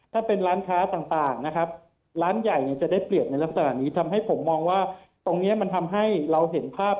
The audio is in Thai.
ถ้าเป็นร้านค้าต่างนะครับร้านใหญ่เนี่ยจะได้เปรียบในลักษณะนี้ทำให้ผมมองว่าตรงนี้มันทำให้เราเห็นภาพ